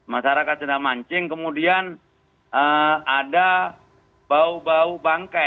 masyarakat sedang mancing kemudian ada bau bau bangkai